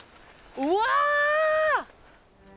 うわ！